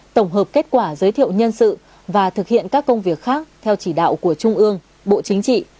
tổng hợp kết quả giới thiệu nhân sự và thực hiện các công việc khác theo chỉ đạo của trung ương bộ chính trị